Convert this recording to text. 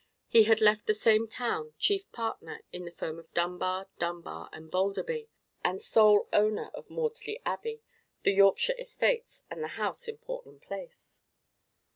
He had left the same town chief partner in the firm of Dunbar, Dunbar, and Balderby, and sole owner of Maudesley Abbey, the Yorkshire estates, and the house in Portland Place.